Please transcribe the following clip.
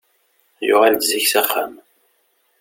Yuɣal-d zik s axxam.